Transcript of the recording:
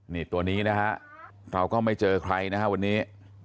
นี่ตัวนี้นะฮะเราก็ไม่เจอใครนะฮะวันนี้